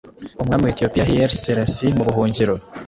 Umwami wa Etiyopiya Haile Selassie mu buhungiro